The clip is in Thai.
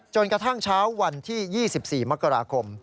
กระทั่งเช้าวันที่๒๔มกราคม